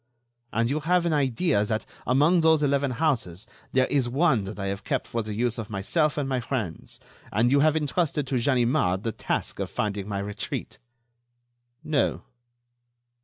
"And you have an idea that, amongst those eleven houses, there is one that I have kept for the use of myself and my friends, and you have intrusted to Ganimard the task of finding my retreat." "No."